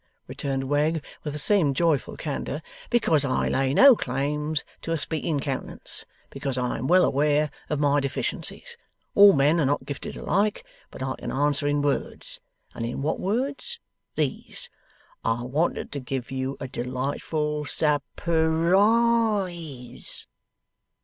returned Wegg, with the same joyful candour. 'Because I lay no claims to a speaking countenance. Because I am well aware of my deficiencies. All men are not gifted alike. But I can answer in words. And in what words? These. I wanted to give you a delightful sap pur IZE!